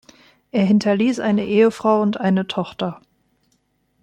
Er hinterließ eine Ehefrau und eine Tochter.